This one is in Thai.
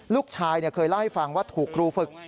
ลูกชายเคยเล่าให้ฟังว่าถูกครูฝึก